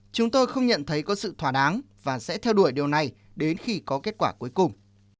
chúng tôi không nhận thấy có sự thỏa đáng và sẽ theo đuổi điều này đến khi có kết quả cuối cùng